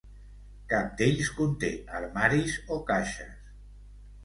Cap d'ells conté armaris o caixes.